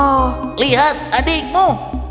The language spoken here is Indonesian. wow lihat adikmu